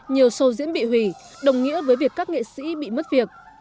nhiều show diễn bị hủy đồng nghĩa với việc các nghệ sĩ bị mất việc